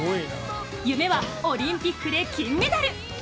夢はオリンピックで金メダル。